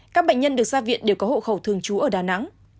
các bệnh nhân được ra viện đều có hộ khẩu thường trú ở đà nẵng